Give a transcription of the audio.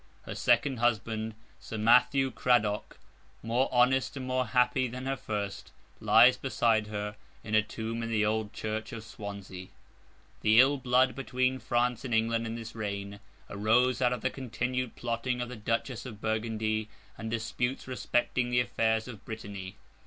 Her second husband, Sir Matthew Cradoc, more honest and more happy than her first, lies beside her in a tomb in the old church of Swansea. The ill blood between France and England in this reign, arose out of the continued plotting of the Duchess of Burgundy, and disputes respecting the affairs of Brittany.